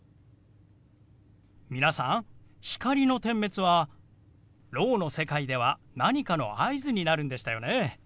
皆さん光の点滅はろうの世界では何かの合図になるんでしたよね。